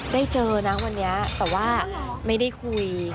เจอนะวันนี้แต่ว่าไม่ได้คุย